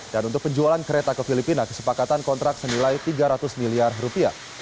dan untuk penjualan kereta ke filipina kesepakatan kontrak senilai tiga ratus miliar rupiah